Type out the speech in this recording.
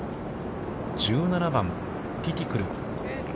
１７番、ティティクル。